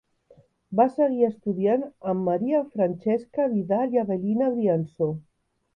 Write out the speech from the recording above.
Va seguir estudiant amb Maria Francesca Vidal i Avel·lina Briansó.